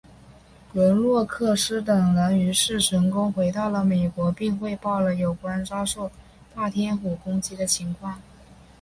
伦诺克斯等人于是成功回到了美国并汇报了有关遭受霸天虎攻击的情况。